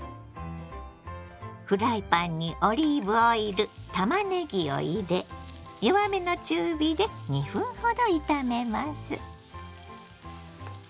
フライパンにオリーブオイルたまねぎを入れ弱めの中火で２分ほど炒めます。